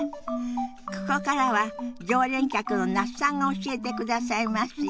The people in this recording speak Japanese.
ここからは常連客の那須さんが教えてくださいますよ。